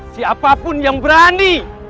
siapapun yang berani